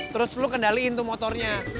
terus lu kendaliin tuh motornya